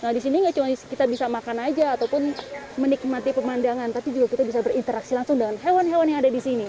nah disini gak cuma kita bisa makan aja ataupun menikmati pemandangan tapi juga kita bisa berinteraksi langsung dengan hewan hewan yang ada disini